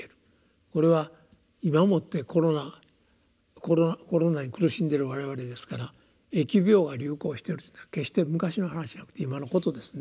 これは今をもってコロナに苦しんでる我々ですから疫病が流行してるっていうのは決して昔の話じゃなくて今のことですね。